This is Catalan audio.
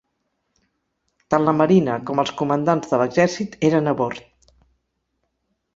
Tant la marina com els comandants de l'exèrcit eren a bord.